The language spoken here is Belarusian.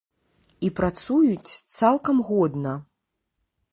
І працуюць цалкам годна.